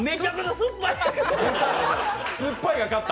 酸っぱいが勝った。